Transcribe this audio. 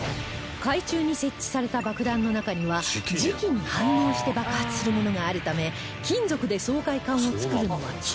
海中に設置された爆弾の中には磁気に反応して爆発するものがあるため金属で掃海艦を造るのは危険